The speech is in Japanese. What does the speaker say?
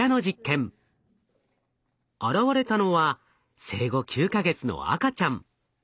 現れたのは生後９か月の赤ちゃん。